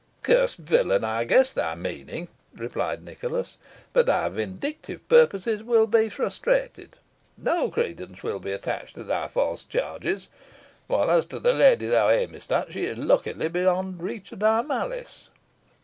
"Cursed villain! I guess thy meaning," replied Nicholas; "but thy vindictive purposes will be frustrated. No credence will be attached to thy false charges; while, as to the lady thou aimest at, she is luckily beyond reach of thy malice."